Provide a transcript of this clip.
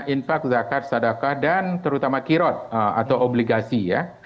infak zakat sadakah dan terutama kirot atau obligasi ya